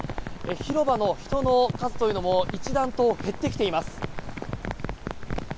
広場の人の数というのも一段と減ってきています。